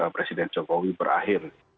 presiden jokowi berakhir